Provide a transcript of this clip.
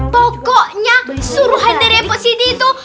pokoknya suruhan dari empo siti itu